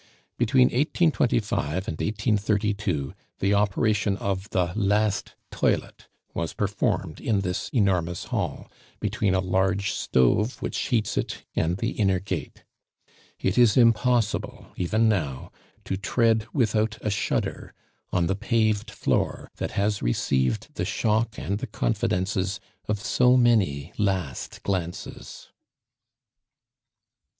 Between 1825 and 1832 the operation of the last toilet was performed in this enormous hall, between a large stove which heats it and the inner gate. It is impossible even now to tread without a shudder on the paved floor that has received the shock and the confidences of so many last glances.